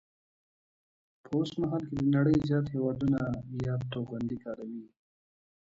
په اوسمهال کې د نړۍ زیات هیوادونه یاد توغندي کاروي